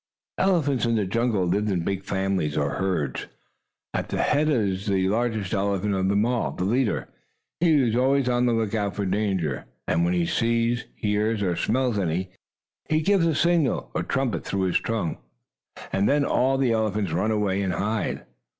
Elephants in the jungle live in big families, or herds. At the head is the largest elephant of them all, the leader. He is always on the lookout for danger, and when he sees, hears or smells any, he gives a signal, or trumpet, through his trunk, and then all the elephants run away and hide.